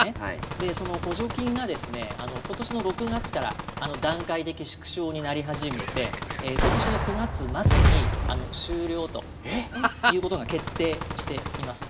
で、その補助金が今年の６月から段階的縮小になり始めて今年の９月末に終了ということが決定しています。